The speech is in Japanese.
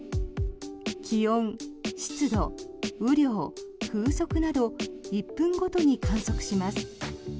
気温、湿度、雨量、風速など１分ごとに観測します。